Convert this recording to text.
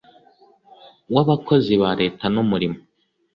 w abakozi ba leta n umurimo